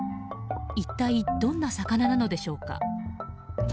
一体、どんな魚なのでしょうか。